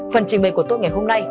phần trình bày của tôi ngày hôm nay